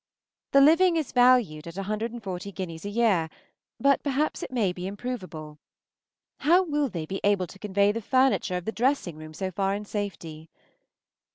The living is valued at 140_l._ a year, but perhaps it may be improvable. How will they be able to convey the furniture of the dressing room so far in safety?